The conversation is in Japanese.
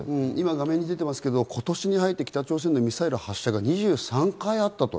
画面に出ていますが、今年に入って北朝鮮のミサイル発射が２３回あったと。